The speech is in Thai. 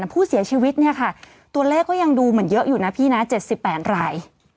ผู้เสียชีวิตเนี่ยค่ะตัวเลขก็ยังดูเหมือนเยอะอยู่นะพี่นะ๗๘ราย